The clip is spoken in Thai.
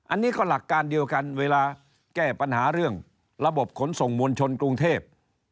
อันนี้ก็หลักการเดียวกันเวลาแก้ปัญหาเรื่องระบบขนส่งมวลชนกรุงเทพ